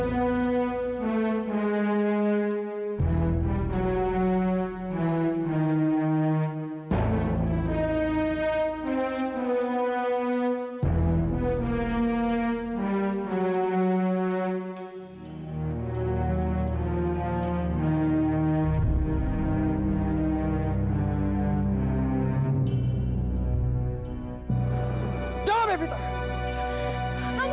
lalu kebetulan kepala fluffinya something